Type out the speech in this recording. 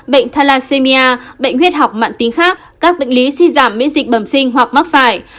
bệnh thalacemia bệnh huyết học mạng tính khác các bệnh lý suy giảm miễn dịch bẩm sinh hoặc mắc phải